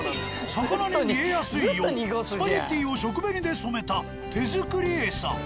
魚に見えやすいようスパゲッティを食紅で染めた。